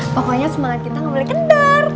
pokoknya semangat kita gak boleh kendar